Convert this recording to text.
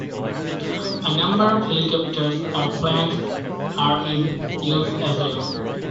A number of helicopters and planes are in use as well.